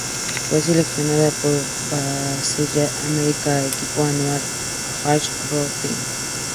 Fue seleccionado por Baseball America a su equipo anual "All-Rookie team".